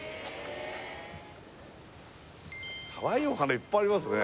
カワイイお花いっぱいありますね